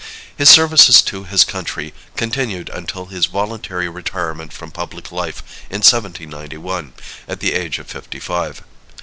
His services to his country continued until his voluntary retirement from public life in 1791, at the age of fifty five.